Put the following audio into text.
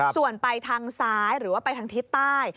ส่วนไปทางซ้ายหรือว่าไปทางทิศใต้